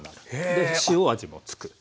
で塩味もつく。